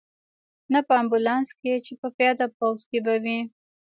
نه په امبولانس کې، چې په پیاده پوځ کې به وې.